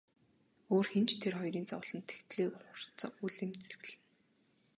Өөр хэн ч тэр хоёрын зовлонд тэгтлээ хурц үл эмзэглэнэ.